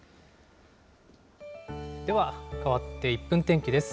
ではかわって１分天気です。